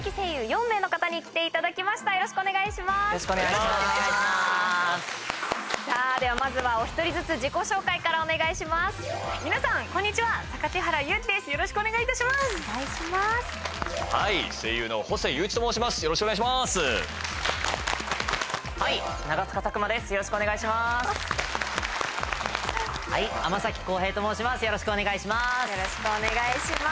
よろしくお願いします。